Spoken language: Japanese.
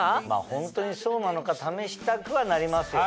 ホントにそうなのか試したくはなりますよね。